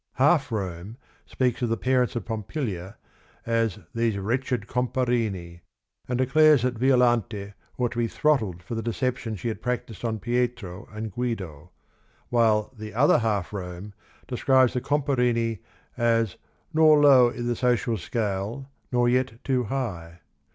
Half Rome speaks of the parents of Pompilia as "these wretched Comparini" and declares that Vic lante ought to be throttled for the deception she had practised on Pietro and Guido, while The Other Half Rome describes the Comparini as "nor low i' the social scale nor yet too high."